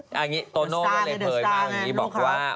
ตัวโน่ก็เลยเผยมาอย่างนี้บอกว่า